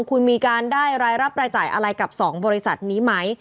คุณมีการได้รายรับรายจ่ายอะไรกับ๒บริษัทนี้ไหม